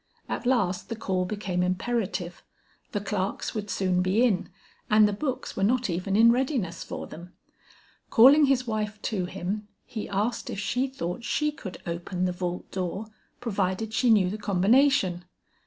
At last the call became imperative; the clerks would soon be in, and the books were not even in readiness for them. Calling his wife to him, he asked if she thought she could open the vault door provided she knew the combination.